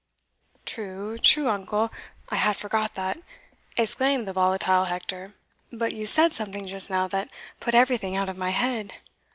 "True, true, uncle I had forgot that," exclaimed the volatile Hector; "but you said something just now that put everything out of my head."